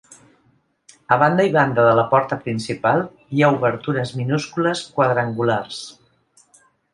A banda i banda de la porta principal hi ha obertures minúscules quadrangulars.